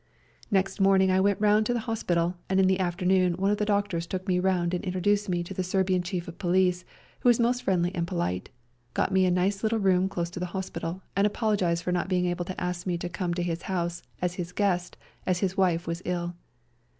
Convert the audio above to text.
Next morning I went round to the hospital, and in the afternoon one of the doctors took me round and introduced me to the Serbian Chief of Police, who was most friendly and polite, got me a nice little room close to the hospital, and apologised for not being able to ask me to come to his house as his guest as his wife was ill.